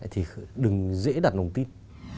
thì đừng dễ đặt đồng tin